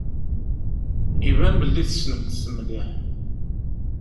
Iban belli tessnemt-t mliḥ.